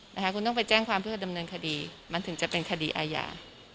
นะคะคุณต้องไปแจ้งความเพื่อดำเนินคดีมันถึงจะเป็นคดีอาญา